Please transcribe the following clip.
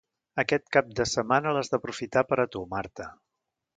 Aquest cap de setmana l'has d'aprofitar per a tu, Marta.